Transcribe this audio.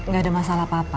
gak ada masalah apa apa